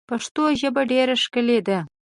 پښتو ژبه ډیر ښکلی ده.